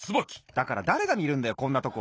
だからだれがみるんだよこんなとこ。